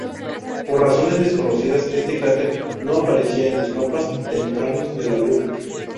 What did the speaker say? Por razones desconocidas, este cráter no aparecía en los mapas tempranos de la Luna.